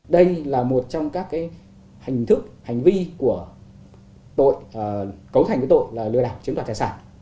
đây là một trong các hành thức hành vi của tội cấu thành của tội là lừa đảo chứng đoạt tài sản